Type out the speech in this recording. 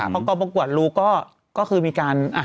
พอกองประกวดรู้ก็คือมีการ